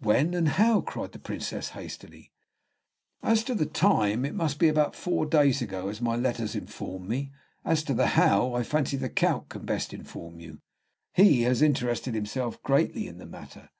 "When, and how?" cried the Princess, hastily. "As to the time, it must be about four days ago, as my letters inform me; as to the how, I fancy the Count can best inform you, he has interested himself greatly in the matter."